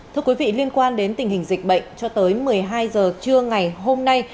thưa quý vị liên quan đến tình hình dịch bệnh cho tới một mươi hai h trưa ngày hôm nay